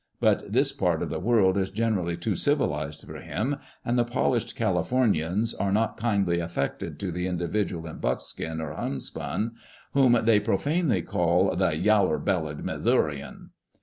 But this part of the world is generally too civilised for him, and the polished Californians are not kindly affected to the individual in buckskin or homespun, whom they profanely style the " yallar bellied Missourian."